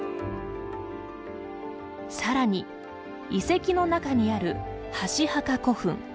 さらに、遺跡の中にある箸墓古墳。